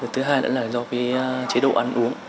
thứ hai nữa là do chế độ ăn uống